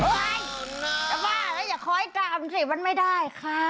จะบ้าแล้วอย่าคอยตามสิมันไม่ได้ค่ะ